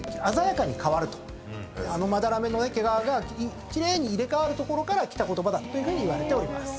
あのまだらめの毛皮が奇麗に入れ替わるところからきた言葉だというふうにいわれております。